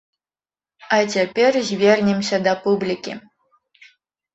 А цяпер звернемся да публікі.